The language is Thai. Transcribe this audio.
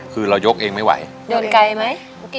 คือเรายกเองไม่ไหวเดินไกลไหม